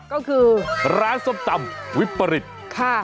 ก็คือร้านส้มตำวิปริตค่ะ